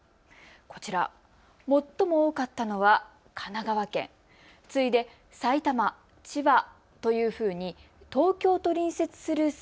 こちら、最も多かったのは神奈川県、次いで埼玉、千葉というふうに東京と隣接する